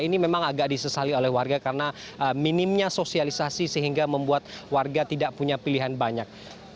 ini memang agak disesali oleh warga karena minimnya sosialisasi sehingga membuat warga tidak punya pilihan banyak